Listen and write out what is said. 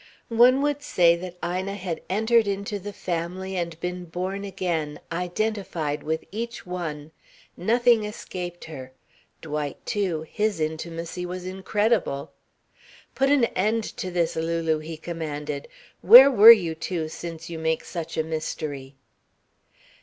One would say that Ina had entered into the family and been born again, identified with each one. Nothing escaped her. Dwight, too, his intimacy was incredible. "Put an end to this, Lulu," he commanded. "Where were you two since you make such a mystery?"